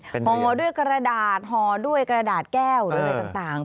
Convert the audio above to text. ห่อด้วยกระดาษห่อด้วยกระดาษแก้วหรืออะไรต่าง